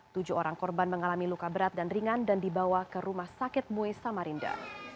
tujuh orang korban mengalami luka berat dan ringan dan dibawa ke rumah sakit muis samarinda